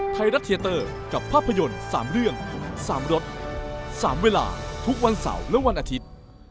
ไทยรัฐเทียเตอร์กับภาพยนตร์๓เรื่อง๓รถ๓เวลาทุกวันเสาร์และวันอาทิตย์